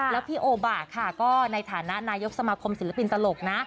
แล้วพี่โอบะค่ะก็ในฐานะนายกสมาคมศิลปินตลกนะ